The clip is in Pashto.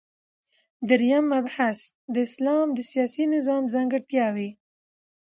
دریم مبحث : د اسلام د سیاسی نظام ځانګړتیاوی